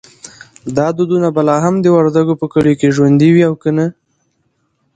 دا دودونه به لا هم د وردګو په کلیو کې ژوندی وي که نه؟